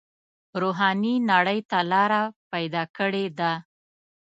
روحاني نړۍ ته لاره پیدا کړې ده.